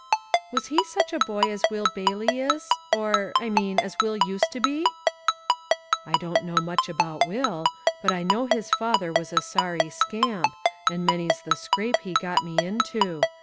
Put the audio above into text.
"Was he such a boy as Will Bailey is or, I mean, as Will used to be?" "I don't know much about Will; but I know his father was a sorry scamp, and many's the scrape he got me into.